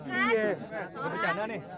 dua puluh cukup kan